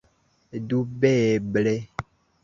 Dubeble!